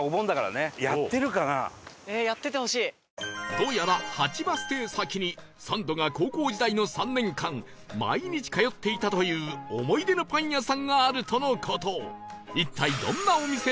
どうやら８バス停先にサンドが高校時代の３年間毎日通っていたという思い出のパン屋さんがあるとの事